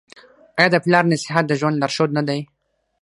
آیا د پلار نصیحت د ژوند لارښود نه دی؟